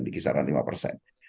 di kisaran lima persen